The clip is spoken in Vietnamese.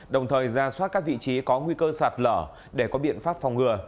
đồng thời ra soát các vị trí có nguy cơ sạt lở để có biện pháp phòng ngừa